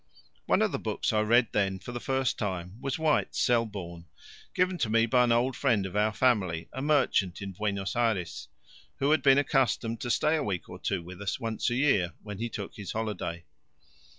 One of the books I read then for the first time was White's Selborne, given to me by an old friend of our family, a merchant in Buenos Ayres, who had been accustomed to stay a week or two with us once a year when he took his holiday.